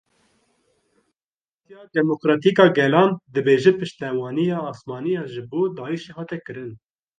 Partiya Demokratîk a Gelan dibêje piştevaniya asmanî ya ji bo Daişê hate kirin.